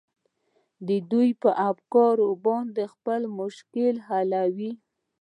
دوى په فکر باندې خپل مشکل نه حلوي.